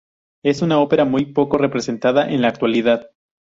Es una ópera muy poco representada en la actualidad.